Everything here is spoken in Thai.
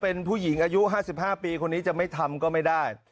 เป็นผู้หญิงอายุ๕๕ปีคนนี้จะไม่ทำก็ไม่ได้